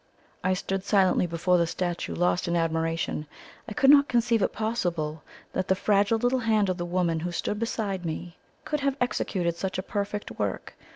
'" I stood silently before the statue, lost in admiration. I could not conceive it possible that the fragile little hand of the woman who stood beside me could have executed such a perfect work.